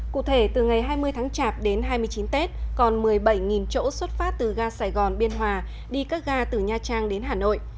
cụ thể từ ngày hai mươi tháng chạp đến hai mươi chín tết còn một mươi bảy chỗ xuất phát từ ga sài gòn biên hòa đi các ga từ nha trang đến hà nội